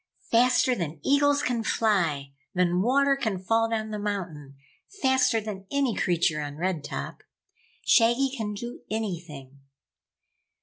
"Faster than eagles can fly, than water can fall down the mountain, faster than any creature on Red Top. Shaggy can do anything!"